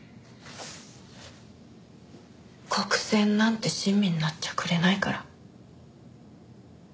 国選なんて親身になっちゃくれないから。